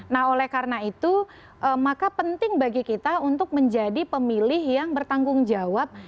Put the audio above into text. nah oleh karena itu maka penting bagi kita untuk menjadi pemilih yang bertanggung jawab